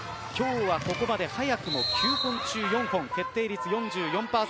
今日はここまで早くも９本中４本決定率４４％。